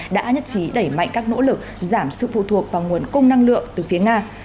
đã nhất trí đẩy mạnh các nỗ lực giảm sự phụ thuộc vào nguồn cung năng lượng từ phía nga